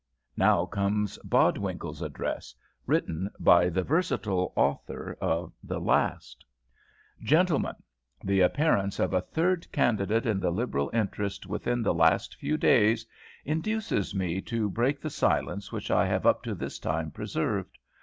Now comes Bodwinkle's address, written by the versatile author of the last: "GENTLEMEN, The appearance of a third candidate in the Liberal interest within the last few days induces me to break the silence which I have up to this time preserved.